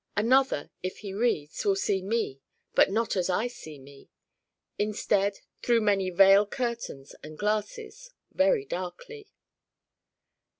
Another if he reads will see Me: but not as I see Me. Instead, through many veil curtains and glasses, very darkly.